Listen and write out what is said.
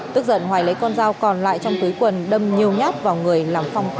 tức giận hoài lấy con dao còn lại trong túi quần đâm nhiều nhát vào người làm phong